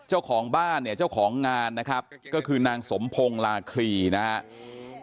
เจ้าของบ้านเนี่ยเจ้าของงานนะครับก็คือนางสมพงศ์ลาคลีนะครับ